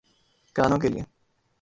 گانوں کیلئے۔